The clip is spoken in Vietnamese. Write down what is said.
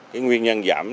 cái nguyên nhân giảm